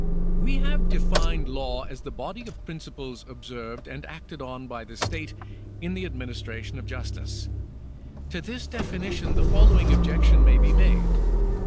We have defined law as the body of principles observed and acted on by the state in the administration of justice. To this definition the following objection may be made.